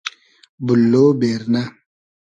بوللۉ بېرنۂ